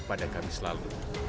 pada kamis lalu